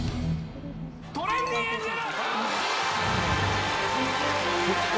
トレンディエンジェル！